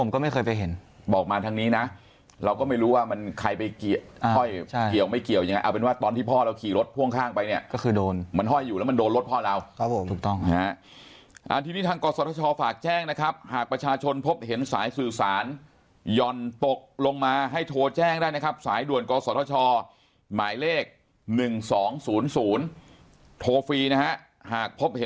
ก็ไม่เคยไปเห็นบอกมาทางนี้นะเราก็ไม่รู้ว่ามันใครไปเกี่ยวห้อยเกี่ยวไม่เกี่ยวยังไงเอาเป็นว่าตอนที่พ่อเราขี่รถพ่วงข้างไปเนี่ยก็คือโดนมันห้อยอยู่แล้วมันโดนรถพ่อเราครับผมถูกต้องนะฮะทีนี้ทางกศธชฝากแจ้งนะครับหากประชาชนพบเห็นสายสื่อสารย่อนตกลงมาให้โทรแจ้งได้นะครับสายด่วนกศธชหมายเลข๑๒๐๐โทรฟรีนะฮะหากพบเห็น